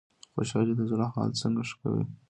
خوشحالي د زړه حال څنګه ښه کوي؟